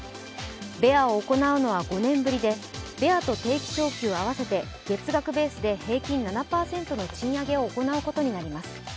ベアを行うのは５年ぶりでベアて定期昇給、合わせて月額ベースで平均７％の賃上げを行うことになります。